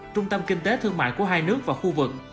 trung tâm kinh tế thương mại của hai nước và khu vực